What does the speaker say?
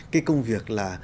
cái công việc là